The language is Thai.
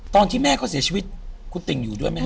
ตอนที่แม่เขาเสียชีวิตคุณติ่งอยู่ด้วยไหมฮ